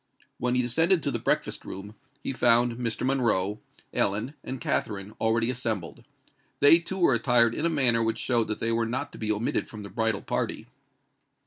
When he descended to the breakfast room, he found Mr. Monroe, Ellen, and Katherine already assembled: they too were attired in a manner which showed that they were not to be omitted from the bridal party.